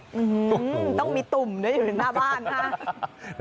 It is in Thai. อืมต้องมีตุ่มด้วยอยู่ในหน้าบ้านนะ